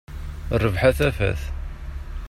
Rrbeḥ a tafat.